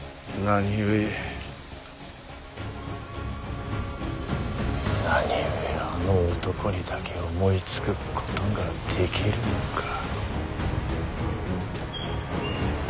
何故あの男にだけ思いつくことができるのか。